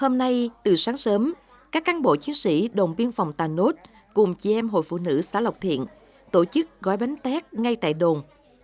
hôm nay từ sáng sớm các cán bộ chiến sĩ đồn biên phòng tà nốt cùng chị em hội phụ nữ xã lộc thiện tổ chức gói bánh tét ngay tại đồn